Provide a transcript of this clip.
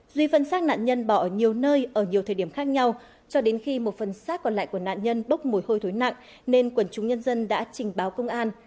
duy phân xác nạn nhân bỏ ở nhiều nơi ở nhiều thời điểm khác nhau cho đến khi một phần sát còn lại của nạn nhân bốc mùi hôi thối nặng nên quần chúng nhân dân đã trình báo công an